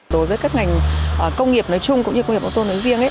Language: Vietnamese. đối với các ngành công nghiệp nói chung cũng như công nghiệp ô tô nói riêng